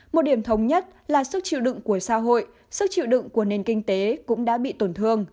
một điểm thống nhất là sức chịu đựng của xã hội sức chịu đựng của nền kinh tế cũng đã bị tổn thương